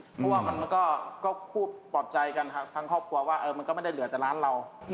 เพราะว่ามันก็พูดปลอบใจกันทั้งครอบครัวว่ามันก็ไม่ได้เหลือแต่ร้านเรา